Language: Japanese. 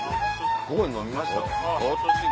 ここで飲みました。